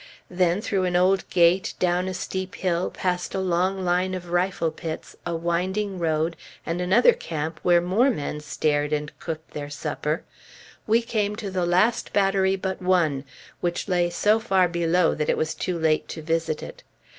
Then, through an old gate, down a steep hill, past a long line of rifle pits, a winding road, and another camp where more men stared and cooked their supper, we came to the last battery but one, which lay so far below that it was too late to visit it.